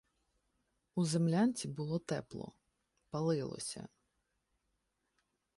У землянці було тепло — палилося.